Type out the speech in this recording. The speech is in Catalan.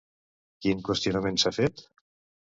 Quin qüestionament s'ha fet?